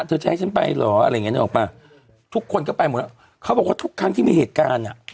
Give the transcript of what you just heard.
จะให้ฉันไปเหรออะไรอย่างเงี้นึกออกป่ะทุกคนก็ไปหมดแล้วเขาบอกว่าทุกครั้งที่มีเหตุการณ์อ่ะ